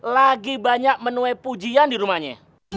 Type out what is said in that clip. lagi banyak menuai pujian di rumahnya